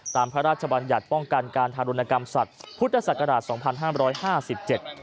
ตามพระราชบัญญัติป้องกันการธารณกรรมสัตว์พุทธศักราช๒๕๕๗